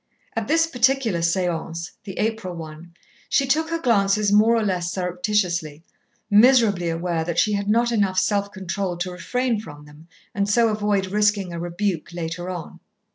At this particular séance, the April one, she took her glances more or less surreptitiously, miserably aware that she had not enough self control to refrain from them and so avoid risking a rebuke later on.